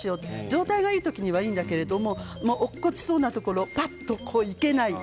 状態がいい時にはいいんだけども落っこちそうなところばっと行けない。